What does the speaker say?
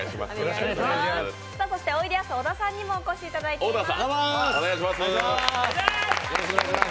そして、おいでやす小田さんにもお越しいただいています。